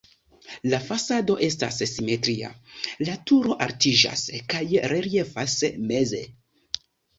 La fasado estas simetria, la turo altiĝas kaj reliefas meze.